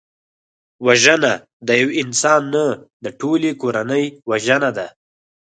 وژنه د یو انسان نه، د ټولي کورنۍ وژنه ده